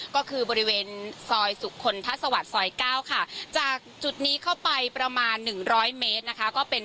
ก็คือบริเวณซอยสุขคลพระสวรรค์ซอยเก้าค่ะจากจุดนี้เข้าไปประมาณหนึ่งร้อยเมตรนะคะ